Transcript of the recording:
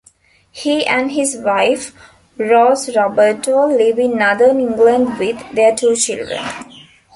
He and his wife, Rose Roberto, live in northern England with their two children.